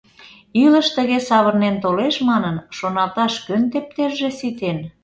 Илыш тыге савырнен толеш манын, шоналташ кӧн тептерже ситен?